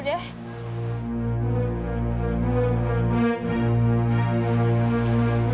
udah beli rambut neneknya